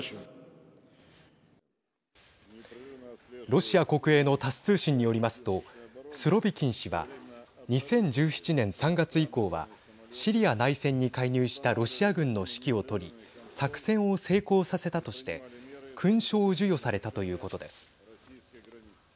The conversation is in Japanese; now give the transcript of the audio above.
ロシア国営のタス通信によりますとスロビキン氏は２０１７年３月以降はシリア内戦に介入したロシア軍の指揮を執り作戦を成功させたとして勲章を授与されたということです。